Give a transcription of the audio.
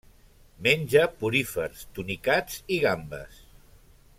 Menja porífers, tunicats i gambes.